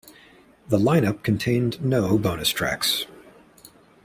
The lineup contained no bonus tracks.